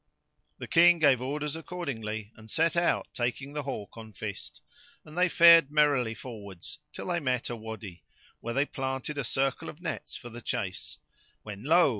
The King gave orders accordingly and set out taking the hawk on fist; and they fared merrily forwards till they made a Wady[FN#87] where they planted a circle of nets for the chase; when lo!